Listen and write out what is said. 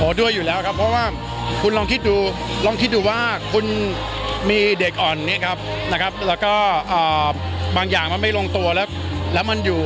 ด้วยอยู่แล้วครับเพราะว่าคุณลองคิดดูลองคิดดูว่าคุณมีเด็กอ่อนนี้ครับนะครับแล้วก็บางอย่างมันไม่ลงตัวแล้วแล้วมันอยู่